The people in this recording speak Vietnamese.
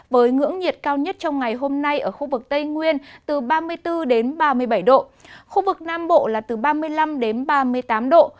với ngưỡng nhiệt cao nhất trong ngày hôm nay ở khu vực tây nguyên từ ba mươi bốn đến ba mươi bảy độ khu vực nam bộ là từ ba mươi năm đến ba mươi tám độ